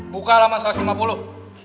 buka alamat salah lima puluh